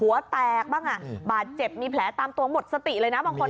หัวแตกบ้างอ่ะบาดเจ็บมีแผลตามตัวหมดสติเลยนะบางคน